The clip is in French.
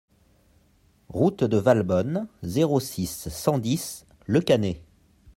Route de Valbonne, zéro six, cent dix Le Cannet